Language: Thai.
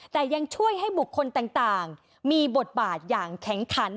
แต่ยังช่วยให้บุคคลต่างมีบทบาทอย่างแข็งขัน